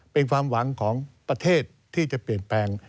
เป็นความหวังของประเทศที่จะเปลี่ยนแปลง